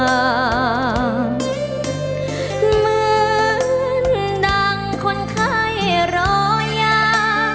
เหมือนดังคนไข้รอยา